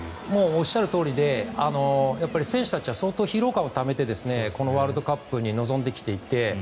おっしゃるとおりで選手たちは相当、疲労感をためてこのワールドカップに臨んできていて。